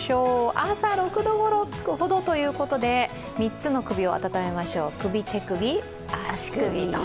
朝６度ほどということで３つの首を温めましょう、首、手首、足首。